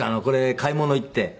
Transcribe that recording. これ買い物行って。